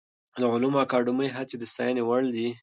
د علومو اکاډمۍ هڅې د ستاینې وړ دي.